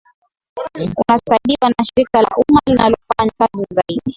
unasaidiwa na shirika la umma linalofanya kazi zaidi